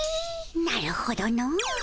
なるほどの。